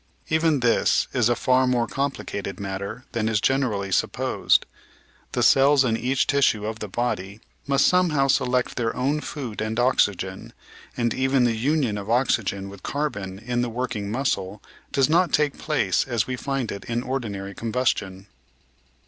Even this is a far more complicated matter than is generally supposed. The cells in each tissue of the body must somehow select their own food and oxygen, and even the union of oxygen with carbon in the working muscle does not take place as we find it in ordinary combustion.